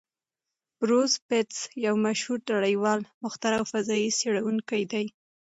بروس بتز یو مشهور نړیوال مخترع او فضايي څېړونکی دی.